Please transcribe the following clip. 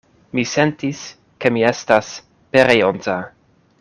Mi sentis, ke mi estas pereonta.